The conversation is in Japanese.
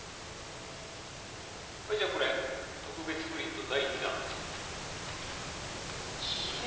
はいじゃあこれ特別プリント第２弾げ！